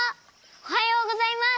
おはようございます。